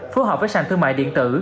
phù hợp với sàn thương mại điện tử